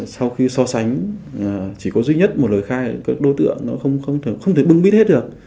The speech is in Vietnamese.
sau khi so sánh chỉ có duy nhất một lời khai các đối tượng nó không thể bưng bít hết được